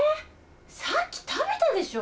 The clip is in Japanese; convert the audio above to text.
さっき食べたでしょ！